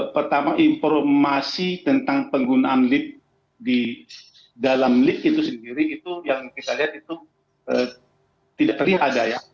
pertama informasi tentang penggunaan lift di dalam lift itu sendiri itu yang kita lihat itu tidak terlihat ada ya